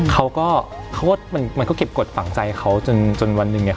เขาก็เขาก็เก็บกฎฝังใจเขาจนจนวันหนึ่งเนี่ย